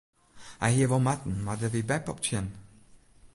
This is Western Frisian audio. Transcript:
Dat hie wol moatten mar dêr wie beppe op tsjin.